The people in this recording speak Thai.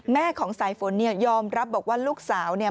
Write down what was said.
แม่ของสายฝนเนี่ยยอมรับบอกว่าลูกสาวเนี่ย